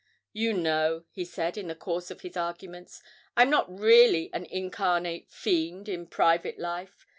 'You know,' he said, in the course of his arguments, 'I'm not really an incarnate fiend in private life.